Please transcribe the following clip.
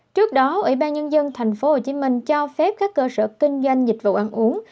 trước đó ủy ban nhân dân tp hồ chí minh cho phép các cơ sở kinh doanh dịch vụ ăn uống